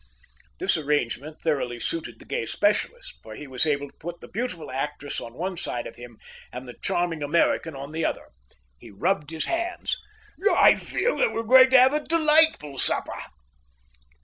This arrangement thoroughly suited the gay specialist, for he was able to put the beautiful actress on one side of him and the charming American on the other. He rubbed his hands. "I feel that we're going to have a delightful supper."